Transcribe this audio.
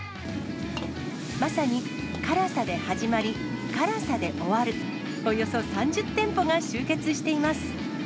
まさに辛さで始まり、辛さで終わる、およそ３０店舗が集結しています。